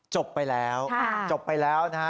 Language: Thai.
จบไปแล้วจบไปแล้วนะฮะ